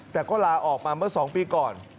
แต่ก็ลาออกมาเมื่อ๒ปีก่อน